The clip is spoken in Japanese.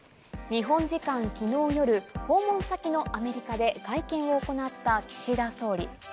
日本時間の昨日夜、訪問先のアメリカで会見を行った岸田総理。